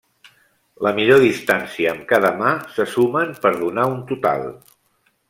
La millor distància amb cada mà se sumen per donar un total.